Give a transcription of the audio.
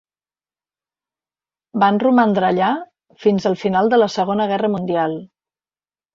Van romandre allà fins al final de la Segona Guerra Mundial.